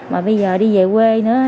mà bây giờ đi về quê nữa